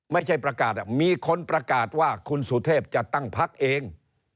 ไม่ใช่ประกาศมีคนประกาศว่าคุณสุเทพจะตั้งพักเอง